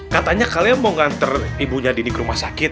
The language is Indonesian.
katanya kalian mau ngantar ibunya dini ke rumah sakit